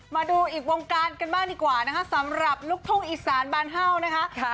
มาดูอีกวงการกันบ้างดีกว่านะคะสำหรับลูกทุ่งอีสานบ้านเห่านะคะ